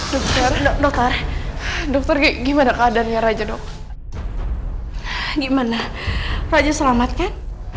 dokter dokter kayak gimana keadaannya raja dok gimana raja selamatkan